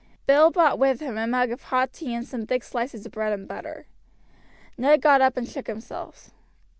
Bill brought with him a mug of hot tea and some thick slices of bread and butter. Ned got up and shook himself.